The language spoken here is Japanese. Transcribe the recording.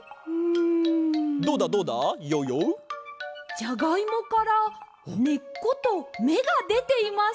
じゃがいもからねっことめがでています。